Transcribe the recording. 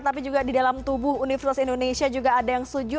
tapi juga di dalam tubuh universitas indonesia juga ada yang setuju